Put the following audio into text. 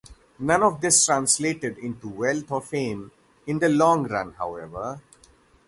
None of this translated into wealth or fame in the long run, however.